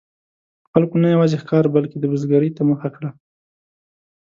خلکو نه یوازې ښکار، بلکې د بزګرۍ ته مخه کړه.